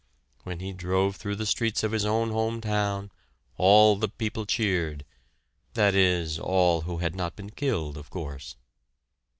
When he drove through the streets of his own home town, all the people cheered, that is, all who had not been killed, of course.